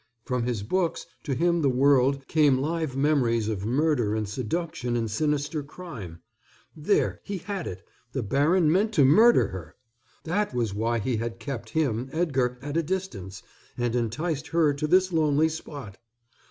From his books, to him the world, came live memories of murder and seduction and sinister crime. There, he had it, the baron meant to murder her. That was why he had kept him, Edgar, at a distance, and enticed her to this lonely spot.